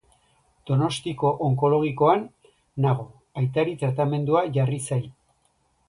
Donostiko Onkologikoan nago, Aitari tratamentua jarri zai